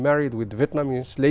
bác sĩ đã chơi ở đây và